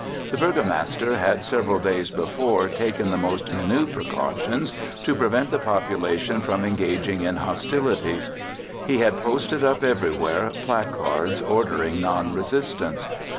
The Burgomaster had several days before taken the most minute precautions to prevent the population from engaging in hostilities. He had posted up everywhere placards ordering non resistance.